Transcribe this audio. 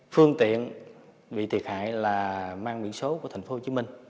phương tiện bị thiệt hại là mang biển số của tp hcm